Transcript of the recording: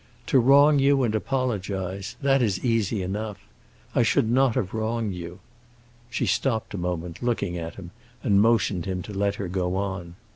To wrong you and apologize—that is easy enough. I should not have wronged you." She stopped a moment, looking at him, and motioned him to let her go on.